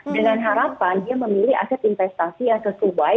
dengan harapan dia memilih aset investasi yang sesuai